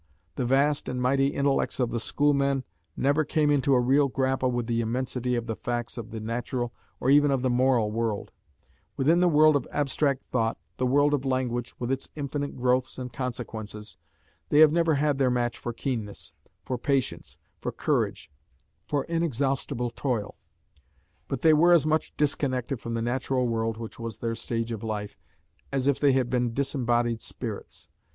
The vast and mighty intellects of the schoolmen never came into a real grapple with the immensity of the facts of the natural or even of the moral world; within the world of abstract thought, the world of language, with its infinite growths and consequences, they have never had their match for keenness, for patience, for courage, for inexhaustible toil; but they were as much disconnected from the natural world, which was their stage of life, as if they had been disembodied spirits.